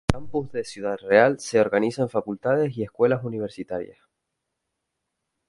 El Campus de Ciudad Real se organiza en facultades y escuelas universitarias.